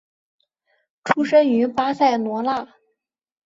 出生于巴塞罗那。